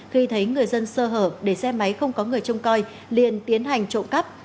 khi thấy người dân sơ hở để xe máy không có người trông coi liền tiến hành trộm cắp